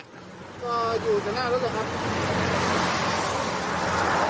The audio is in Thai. ก็อยู่จากหน้ารถล่ะครับ